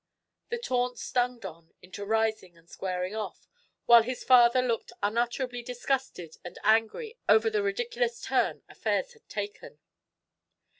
That taunt stung Don into rising and squaring off, while his father looked unutterably disgusted and angry over the ridiculous turn affairs had taken.